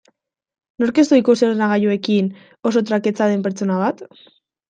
Nork ez du ikusi ordenagailuekin oso traketsa den pertsona bat?